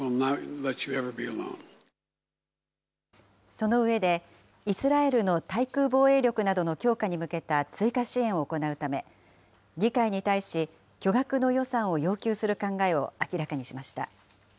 その上で、イスラエルの対空防衛力などの強化に向けた追加支援を行うため、議会に対し、巨額の予算を要求する考えを明らかにしました。